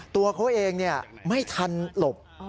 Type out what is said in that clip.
ตัวเขาเองไม่ทันหลบ